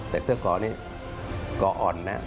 แต่เสื้อเกาะนี่เกาะอ่อนนะ